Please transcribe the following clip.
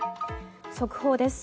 速報です。